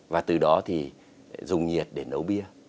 và từ đó thì dùng nhiệt để nấu bia